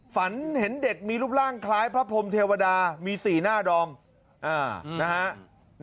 ฝันเห็นเด็กมีรูปร่างคล้ายพระพรมเทวดามีสีหน้าดอมนะฮะ